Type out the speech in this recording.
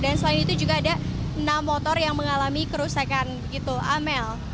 dan selain itu juga ada enam motor yang mengalami kerusakan begitu amel